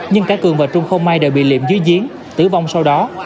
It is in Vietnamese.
nhưng cả cường và trung không may đều bị liệm dưới chiến tử vong sau đó